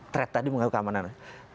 tret tadi mengganggu keamanan nasional